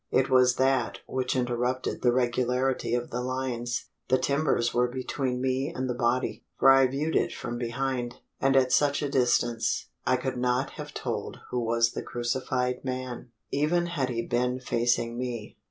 It was that which interrupted the regularity of the lines. The timbers were between me and the body for I viewed it from behind and at such a distance, I could not have told who was the crucified man, even had he been facing me.